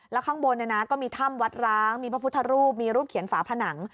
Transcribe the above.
แล้วข้างบนก็มีถ้ำวัดร้างมีพระพุทธรูปมีรูปเขียนฝาผนัง